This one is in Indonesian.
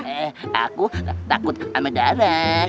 eh aku takut amat darah